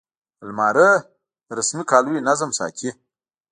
الماري د رسمي کالیو نظم ساتي